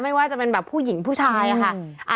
ไม่ว่าจะเป็นแบบผู้หญิงผู้ชายค่ะ